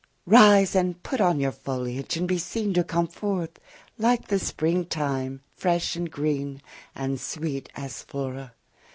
Rise and put on your foliage, and be seen 15 To come forth, like the spring time, fresh and green, And sweet as Flora.